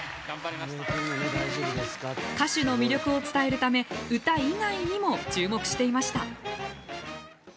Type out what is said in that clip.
歌手の魅力を伝えるため歌以外にも注目していました。